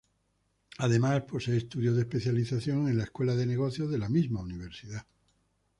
Además, posee estudios de especialización en la Escuela de Negocios de la misma universidad.